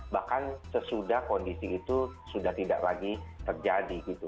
bahkan sesudah kondisi itu sudah tidak lagi terjadi gitu